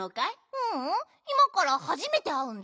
ううんいまからはじめてあうんだ。